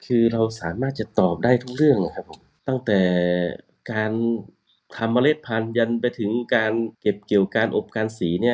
คือเราสามารถจะตอบได้ทุกเรื่องนะครับผมตั้งแต่การทำเมล็ดพันธยันไปถึงการเก็บเกี่ยวการอบการสีเนี่ย